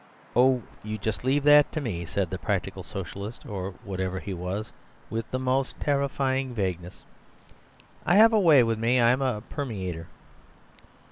"'Oh, you just leave that to me,' said the practical Socialist, or whatever he was, with the most terrifying vagueness. 'I have a way with me. I'm a Permeator.